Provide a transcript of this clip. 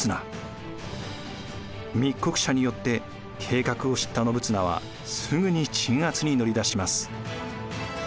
密告者によって計画を知った信綱はすぐに鎮圧に乗り出します。